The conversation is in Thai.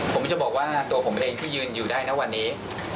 ผมจะบอกว่าตัวผมเองที่ยืนอยู่ได้นะวันนี้